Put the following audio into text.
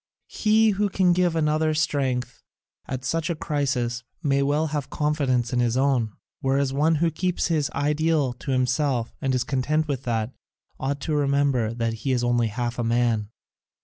He who can give another strength at such a crisis may well have confidence in his own, whereas one who keeps his ideal to himself and is content with that, ought to remember that he is only half a man.